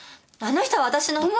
あの人は私の。